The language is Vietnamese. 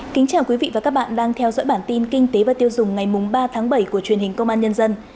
kính chào quý vị và các bạn đang theo dõi bản tin kinh tế và tiêu dùng ngày ba tháng bảy của truyền hình công an nhân dân